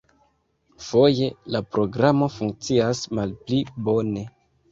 Foje la programo funkcias malpli bone.